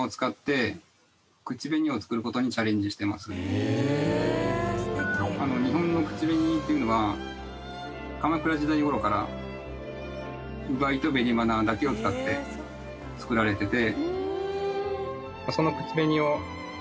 へえすごい。日本の口紅っていうのは鎌倉時代頃から烏梅と紅花だけを使って作られてて。